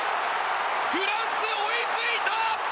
フランス、追いついた！